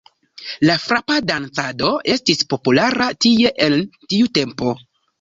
La frapa dancado estis populara tie en tiu tempo.